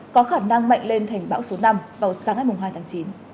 có khả năng mạnh lên thành bão số năm vào sáng ngày hai tháng chín